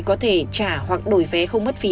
có thể trả hoặc đổi vé không mất phí